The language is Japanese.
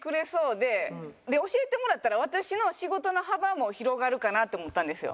で教えてもらったら私の仕事の幅も広がるかなって思ったんですよ。